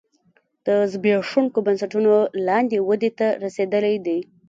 د زبېښونکو بنسټونو لاندې ودې ته رسېدلی دی